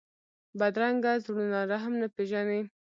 بدرنګه زړونه رحم نه پېژني